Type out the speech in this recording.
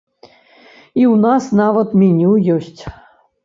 І ў нас нават меню ёсць.